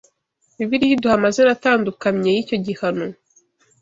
Bibiliya iduha amazina atandukamye y’icyo gihano